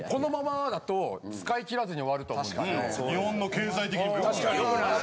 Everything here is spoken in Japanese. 日本の経済的にも良くない。